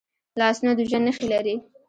لاسونه د ژوند نښې لري